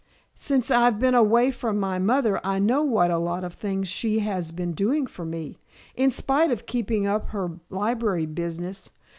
Since I've been away from my mother I know what a lot of things she has been doing for me, in spite of keeping up her library business.